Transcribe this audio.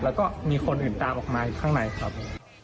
แล้วก็มีคนอื่นตามออกมาอยู่ข้างในครับ